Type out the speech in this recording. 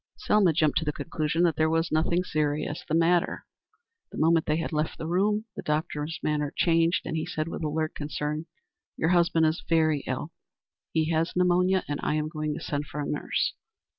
Selma jumped to the conclusion that there was nothing serious the matter. The moment they had left the room, the doctor's manner changed, and he said with alert concern: "Your husband is very ill; he has pneumonia. I am going to send for a nurse."